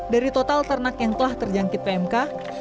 dari total ternak yang telah terjangkit pmk